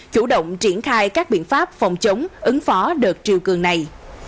chủ động triển khai các biện pháp phòng chống ứng phó đợt triều cường này